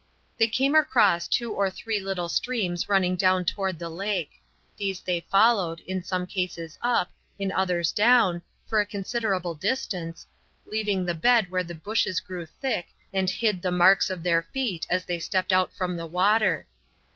They came across two or three little streams running down toward the lake. These they followed, in some cases up, in others down, for a considerable distance, leaving the bed where the bushes grew thick and hid the marks of their feet as they stepped out from the water.